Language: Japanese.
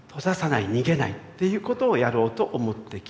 逃げないっていうことをやろうと思って決めた。